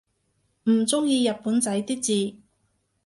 唔中意日本仔啲字